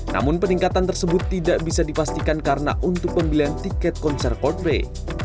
namun peningkatan tersebut tidak bisa dipastikan karena untuk pembelian tiket konser coldplay